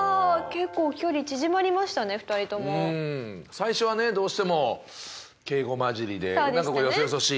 最初はねどうしても敬語交じりでなんかこうよそよそしい。